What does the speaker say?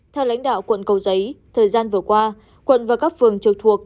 theo lãnh đạo quận cầu giấy thời gian vừa qua quận và các phường trực thuộc